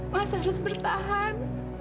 mas harus bertahan